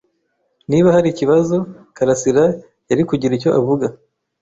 Niba haribibazo, Karasirayari kugira icyo avuga.